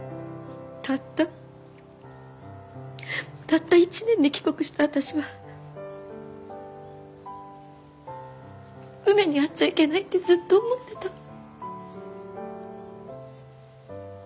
たったたった１年で帰国した私は梅に会っちゃいけないってずっと思ってた。